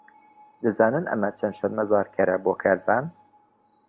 دەزانن ئەمە چەند شەرمەزارکەرە بۆ کارزان؟